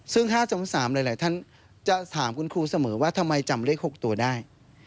ซึ่ง๕๓หลายท่านจะถามคุณครูเสมอว่าทำไมจำเลข๖ตัวได้